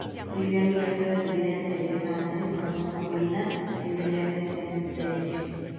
Vivió el resto de su vida con Teresa Anes, su concubina, sin tener descendencia.